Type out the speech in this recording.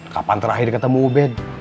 kapan terakhir ketemu ubed